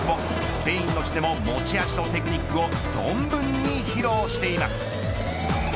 スペインとしても持ち味のテクニックを存分に披露しています。